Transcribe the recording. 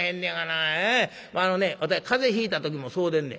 あのねわたい風邪ひいた時もそうでんねん。